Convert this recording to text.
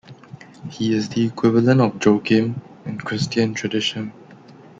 He is the equivalent of Joachim in Christian tradition.